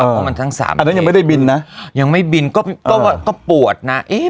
เพราะมันทั้งสามอันนั้นยังไม่ได้บินนะยังไม่บินก็ก็ปวดนะ